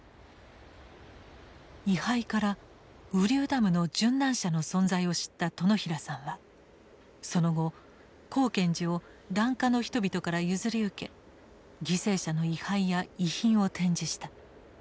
位牌から雨竜ダムの殉難者の存在を知った殿平さんはその後光顕寺を檀家の人々から譲り受け犠牲者の位牌や遺品を展示した。